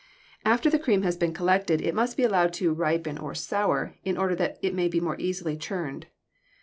After the cream has been collected, it must be allowed to "ripen" or to "sour" in order that it may be more easily churned.